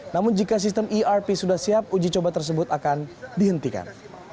namun jika sistem erp sudah siap uji coba tersebut akan dihentikan